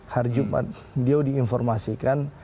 hari jumat beliau di informasikan